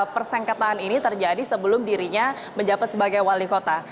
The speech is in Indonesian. persengketaan ini terjadi sebelum dirinya menjadi wali kota